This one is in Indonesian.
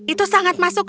itu sangat masuk akal